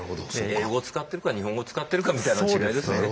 英語を使ってるか日本語を使ってるかみたいな違いですね。